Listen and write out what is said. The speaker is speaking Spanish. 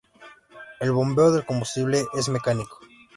El bombeo del combustible es mecánico.